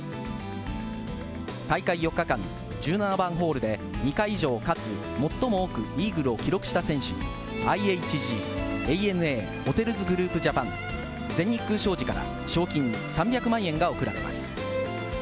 大会４日間、１７番ホールで２回以上、かつ最も多くイーグルを記録した選手に、ＩＨＧ・ＡＮＡ・ホテルズグループジャパン、全日空商事から賞金３００万円が贈られます。